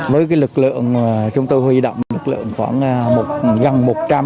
với lực lượng chúng tôi huy động lực lượng khoảng gần một trăm linh